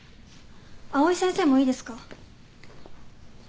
藍井先生もいいですか？